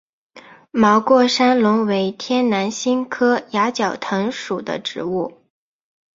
毛过山龙为天南星科崖角藤属的植物。